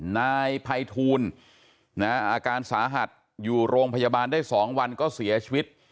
นายภัยทูลอาการสาหัสอยู่โรงพยาบาลได้๒วันก็เสียชีวิต